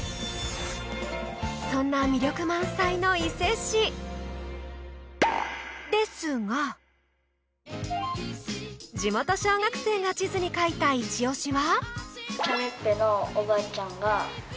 そんな魅力満載の伊勢市地元小学生が地図に描いたイチ押しは？